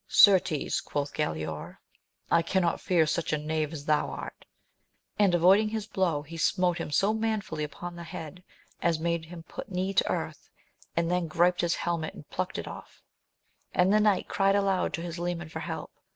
Certes, quoth Galaor, I cannot fear such a knave as thou art ; and, avoiding his blow, he smote him so manfully upon the head as made him put knee to earth, and then griped his helmet and plucked it off ; and the knight cried aloud to his leman for help.